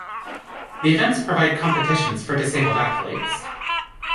The events provide competitions for disabled athletes.